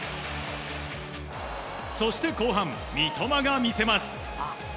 そして後半、三笘が見せます。